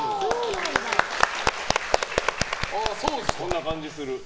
そんな感じする。